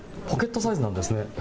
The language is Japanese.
ポケットサイズなんですね。